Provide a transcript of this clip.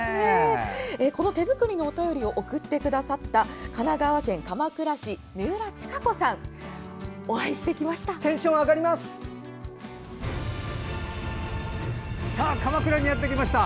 この手作りのお便りを送ってくださった神奈川県鎌倉市三浦親子さんにお会いしてきました。